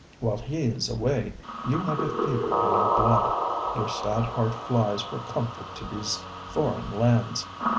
While he is away you have a fever in your blood. Your sad heart flies for comfort to these foreign lands.